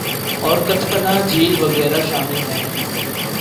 اور کت پناہ جھیل وغیرہ شامل ہیں